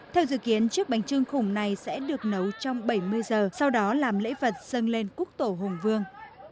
theo dự kiến chiếc bánh trưng khủng này sẽ được nấu trong bảy mươi giờ sau đó làm lễ vật dâng lên quốc tổ hùng vương